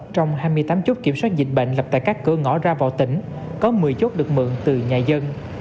trong hai mươi tám chốt kiểm soát dịch bệnh lập tại các cửa ngõ ra vào tỉnh có một mươi chốt được mượn từ nhà dân